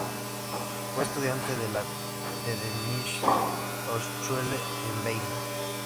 Fue estudiante de la Technische Hochschule en Viena.